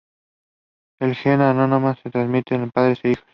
El gen anómalo se transmite de padres a hijos.